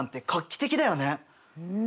うん。